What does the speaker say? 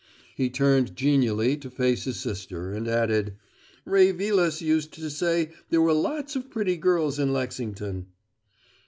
He turned genially to face his sister, and added: "Ray Vilas used to say there were lots of pretty girls in Lexington."